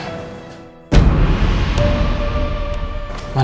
lo bisa jalan